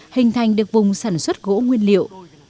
hình thành được vùng sản xuất gỗ nguyên liệu